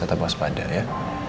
tetep waspada ya